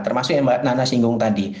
termasuk yang mbak nana singgung tadi